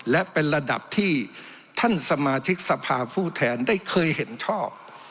และเป็นระดับที่ท่านสมาชิกสภาผู้แทนได้เคยเห็นชอบ